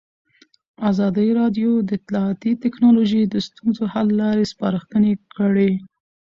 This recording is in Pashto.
ازادي راډیو د اطلاعاتی تکنالوژي د ستونزو حل لارې سپارښتنې کړي.